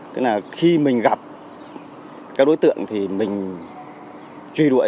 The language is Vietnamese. tức là khi mình gặp các đối tượng thì mình truy đuổi